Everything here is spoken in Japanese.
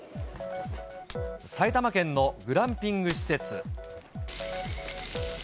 埼玉県のグランピング施設。